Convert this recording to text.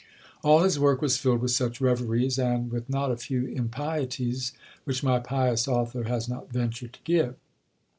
All his work was filled with such reveries, and, with not a few impieties, which my pious author has not ventured to give.